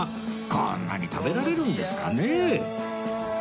こんなに食べられるんですかねえ？